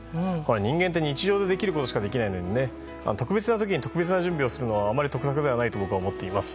人間って日常でできることしかできないので特別な時に特別な準備をするのはあまり得策ではないと僕は思っています。